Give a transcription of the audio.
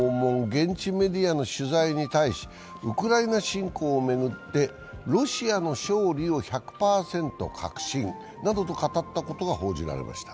現地メディアの取材に対しウクライナ侵攻を巡ってロシアの勝利を１００％確信などと語ったことが報じられました。